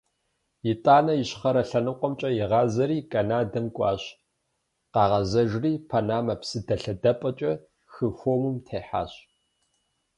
Итӏанэ Ищхъэрэ лъэныкъуэмкӏэ ягъазэри, Канадэм кӏуащ, къагъэзэжри, Панамэ псыдэлъэдапӏэмкӏэ хы Хуэмым техьащ.